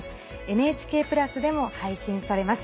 ＮＨＫプラスでも配信されます。